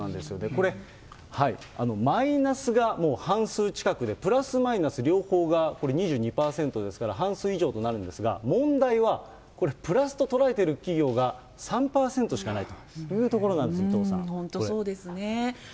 これ、マイナスがもう半数近くで、プラスマイナス両方がこれ２２％ですから、半数以上となるんですが、問題はこれ、プラスと捉えている企業が３％しかないというところなんですよ、本当そうですね。